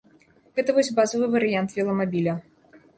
Гэта вось базавы варыянт веламабіля.